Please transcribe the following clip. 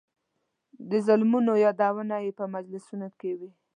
د ظلمونو یادونې یې په مجلسونو کې وې.